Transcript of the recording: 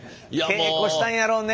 稽古したんやろうね。